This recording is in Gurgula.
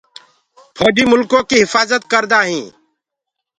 ڦوجي ريآستي ڪيٚ هڦآجد ڪردآ هينٚ۔